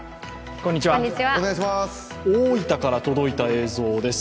大分から届いた映像です。